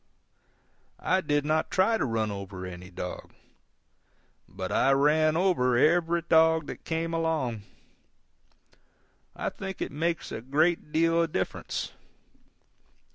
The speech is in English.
I did not try to run over any dog. But I ran over every dog that came along. I think it makes a great deal of difference.